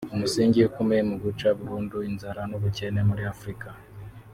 Umusingi ukomeye mu guca burundu inzara n’ubukene muri Afurika